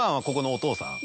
お父さん。